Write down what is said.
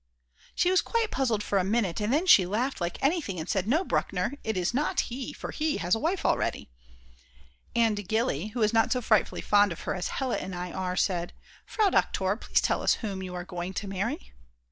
She was quite puzzled for a minute, and then she laughed like anything and said, "No, Bruckner, it is not he, for he has a wife already." And Gilly, who is not so frightfully fond of her as Hella and I are, said: "Frau Doktor, please tell us whom you are going to marry."